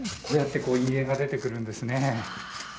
こうやって陰影が出てくるんですね。